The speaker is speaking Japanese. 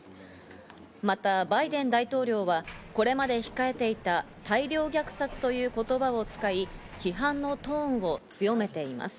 またバイデン大統領はこれまで控えていた大量虐殺という言葉を使い批判のトーンを強めています。